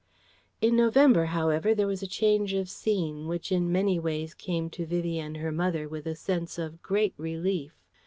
In November, however, there was a change of scene, which in many ways came to Vivie and her mother with a sense of great relief.